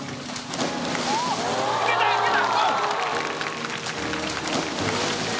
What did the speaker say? いけたいけた！